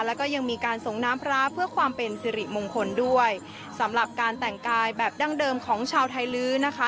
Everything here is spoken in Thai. แล้วก็ยังมีการส่งน้ำพระเพื่อความเป็นสิริมงคลด้วยสำหรับการแต่งกายแบบดั้งเดิมของชาวไทยลื้อนะคะ